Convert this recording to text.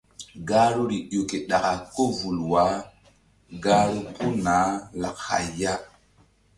Gahruri ƴo ke ɗaka ko vul wah gahru puh naah lak hay ya.